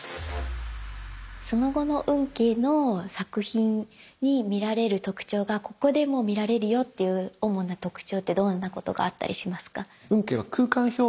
その後の運慶の作品に見られる特徴がここでも見られるよという主な特徴ってどんなことがあったりしますか？